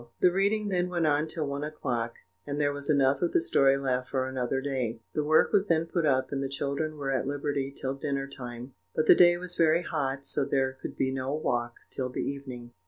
The reading then went on till one o'clock, and there was enough of the story left for another day. The work was then put up, and the children were at liberty till dinner time; but the day was very hot, so there could be no walk till the evening.